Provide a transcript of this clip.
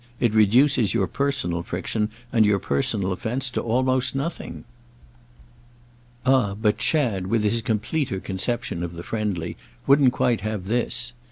It reduces your personal friction and your personal offence to almost nothing." Ah but Chad, with his completer conception of the friendly, wouldn't quite have this!